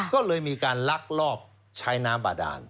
ก็เลยมีการลักลอบใช้น้ำบาดาน